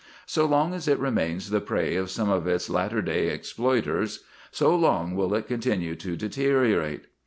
So long as it remains the prey of some of its latter day exploiters, so long will it continue to deteriorate.